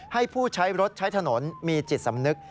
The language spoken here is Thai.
ให้ผู้ใช้รถใช้ถนนมีจิตสำนึก